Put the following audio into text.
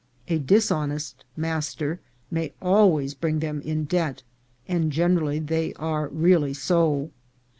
A dishonest master may always bring them in debt, and generally they are really so.